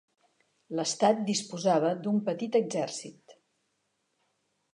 L'estat disposava d'un petit exèrcit.